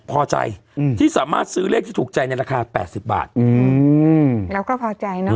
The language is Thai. พอใจอืมที่สามารถซื้อเลขที่ถูกใจในราคาแปดสิบบาทอืมเราก็พอใจเนอ